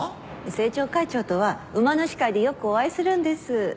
政調会長とは馬主会でよくお会いするんです。